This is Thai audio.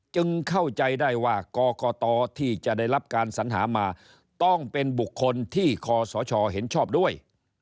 เข้าใจได้ว่ากรกตที่จะได้รับการสัญหามาต้องเป็นบุคคลที่คอสชเห็นชอบด้วย